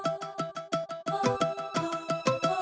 nih aku tidur